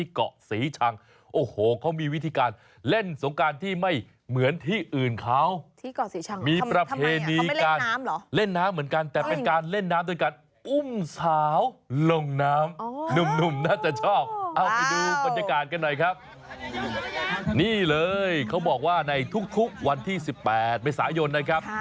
กันหน่อยครับนี่เลยเขาบอกว่าในทุกวันที่สิบแปดเมษายนนะครับ